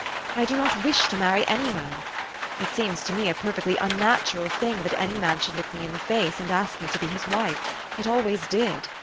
I do not wish to marry any man. It seems to me a perfectly unnatural thing that any man should look me in the face, and ask me to be his wife : it always did.